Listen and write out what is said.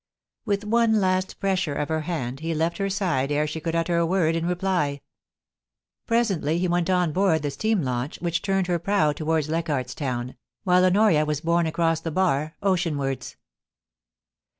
...' With one last pressure of her hand he left her side ere she could utter a word in reply. ... Presently he went on board the steam launch, which turned her prow towards Leichardt's Town, while Honoria was borne across the bar, oceanwards.